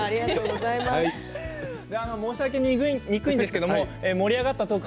申し上げにくいんですが盛り上がったトーク